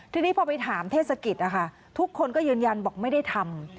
ทีนี้พอไปถามเทศกิจนะคะทุกคนก็ยืนยันบอกไม่ได้ทำ